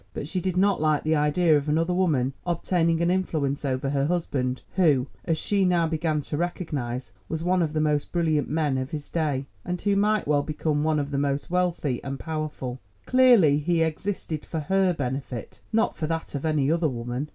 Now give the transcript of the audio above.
But she did not like the idea of another woman obtaining an influence over her husband, who, as she now began to recognise, was one of the most brilliant men of his day, and who might well become one of the most wealthy and powerful. Clearly he existed for her benefit, not for that of any other woman.